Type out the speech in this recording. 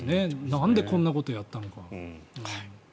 なんでこんなことやったのか。